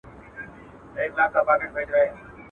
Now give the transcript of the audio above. ستا په سترګو چي ما وینې، بل څوک نه سې په لیدلای.